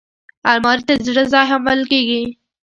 الماري ته د زړه ځای هم ویل کېږي